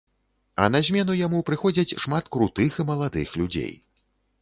А на змену яму прыходзяць шмат крутых і маладых людзей.